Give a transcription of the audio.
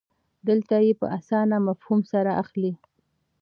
دلته یې په اسانه مفهوم سره اخلئ.